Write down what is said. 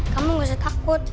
kamu nggak usah takut